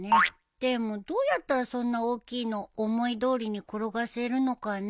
でもどうやったらそんな大きいの思いどおりに転がせるのかね。